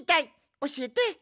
おしえて！